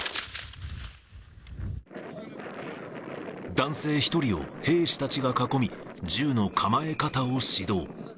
男性１人を兵士たちが囲み、銃の構え方を指導。